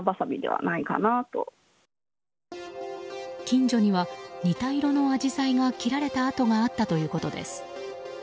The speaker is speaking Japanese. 近所には、似た色のアジサイが切られた跡があったということです。